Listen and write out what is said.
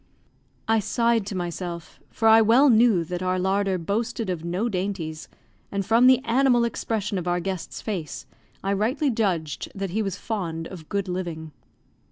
I sighed to myself, for I well knew that our larder boasted of no dainties; and from the animal expression of our guest's face, I rightly judged that he was fond of good living.